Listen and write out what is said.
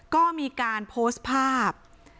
ก็มีการโพสต์ภาพ